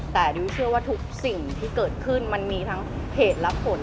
แต่ดิวเชื่อว่าทุกสิ่งที่เกิดขึ้นมันมีทั้งเหตุและผล